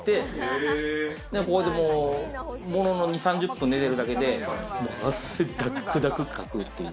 ここで、もうものの２０３０分で寝てるだけで汗だくだくかくっていう。